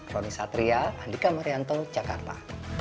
roni satria andika marianto jakarta